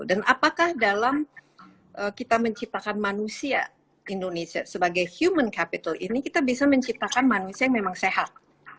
dan apakah dalam kita menciptakan manusia indonesia sebagai human capital ini kita bisa menciptakan manusia yang memang sehat